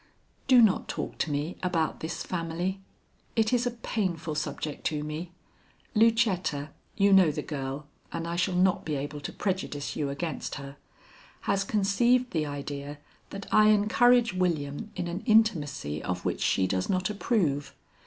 "Do not talk to me about this family. It is a painful subject to me. Lucetta you know the girl, and I shall not be able to prejudice you against her has conceived the idea that I encourage William in an intimacy of which she does not approve.